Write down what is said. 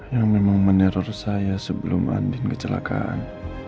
yang memang meneror saya sebelum andin kecelakaan